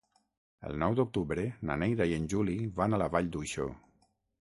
El nou d'octubre na Neida i en Juli van a la Vall d'Uixó.